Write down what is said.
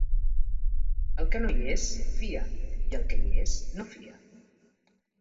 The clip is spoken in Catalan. El que no hi és, fia; i el que hi és, no fia.